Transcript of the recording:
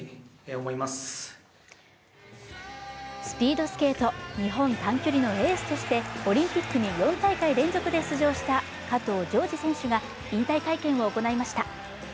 スピードスケート日本短距離のエースとしてオリンピックに４大会連続で出場した加藤条治選手が引退会見を行いました。